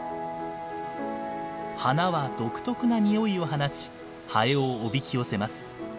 花は独特な匂いを放ちハエをおびき寄せます。